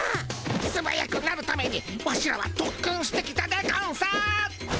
すばやくなるためにワシらはとっくんしてきたでゴンス。